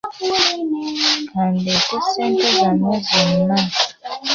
Ka ndeete ssente zammwe zonna.